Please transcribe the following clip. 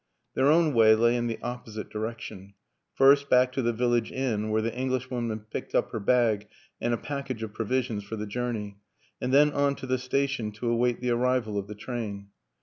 Their own way lay in the opposite direction first back to the village inn, where the Englishwoman picked up her bag and a package of provisions for the journey, and then on to the station to await the arrival of the train.